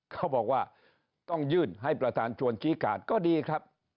เขาบอกว่าต้องยื่นให้ประธานชวนชี้ขาดก็ดีครับ